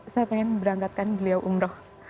saya pengen berangkatkan beliau umroh